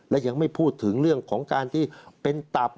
และยังไม่พูดถึงเรื่องของการที่เป็นตับ